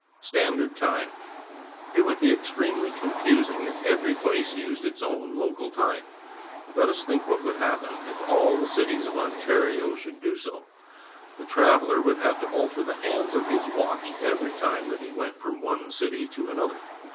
Standard Time. — It would be extremely confusing if every place used its own local time. Let us think what would happen if all the cities of Ontario should do so. The traveller would have to alter the hands of his watch every time that he went from one city to another.